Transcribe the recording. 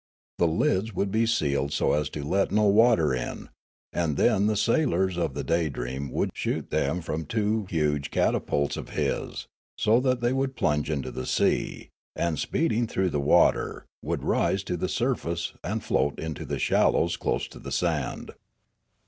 The lids would be sealed so as to let no water in ; and then the sailors of the Daydream would shoot them from two huge catapults of his, so that they would plunge into the sea, and speeding through the water, would rise to the surface, and float into the shallows close to the sand.